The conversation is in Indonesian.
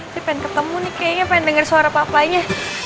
saya pengen ketemu nih kayaknya pengen dengar suara papanya